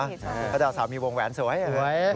เพราะดาวเสามีวงแหวนสวย